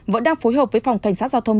vẫn đang phối hợp với phòng cảnh sát giao thông